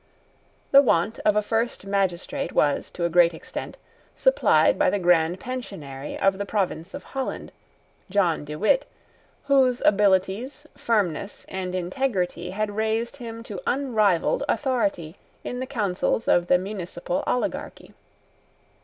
The want of a first magistrate was, to a great extent, supplied by the Grand Pensionary of the Province of Holland, John De Witt, whose abilities, firmness, and integrity had raised him to unrivalled authority in the councils of the municipal oligarchy.